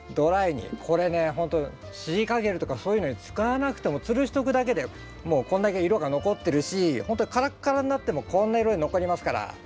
これねほんとシリカゲルとかそういうの使わなくてもつるしておくだけでもうこんだけ色が残ってるしほんとにカラッカラッになってもこんな色残りますから。